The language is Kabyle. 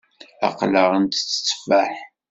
Aql-aɣ ntett tteffaḥ.